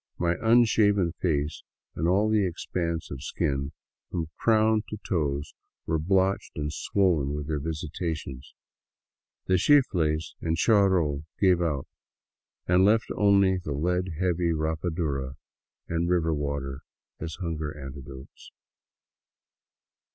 My unshaven face and all the expanse of skin from crown to toes were blotched and swollen with their visitations. The chifles and charol gave out and left only the lead heavy rapadura and river water as hunger antidotes.